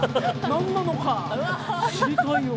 何なのか。